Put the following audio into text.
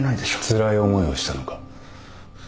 つらい思いをしたのか？